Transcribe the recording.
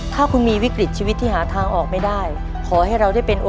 วันนี้ผมชายามิชัยลาไปก่อน